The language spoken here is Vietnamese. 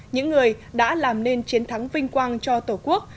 những người đã làm nên chiến thắng vinh quang cho tổ quốc